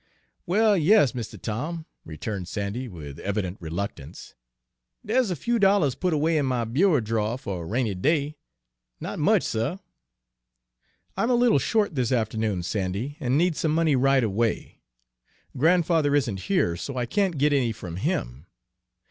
"Well, yas, Mistuh Tom," returned Sandy, with evident reluctance, "dere's a few dollahs put away in my bureau drawer fer a rainy day, not much, suh." "I'm a little short this afternoon, Sandy, and need some money right away. Grandfather isn't here, so I can't get any from him.